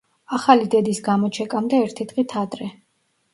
ახალი დედის გამოჩეკამდე ერთი დღით ადრე.